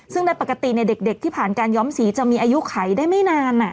ซึ่งในปกติเด็กที่ผ่านการย้อมสีจะมีอายุไขได้ไม่นาน